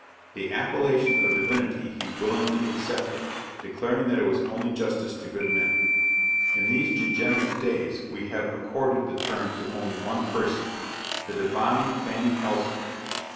The appellation of divinity he willingly accepted, declaring that it was only justice to good men. In these degenerate days, we have accorded the term to only one person, "the divine Fanny Ellsler!"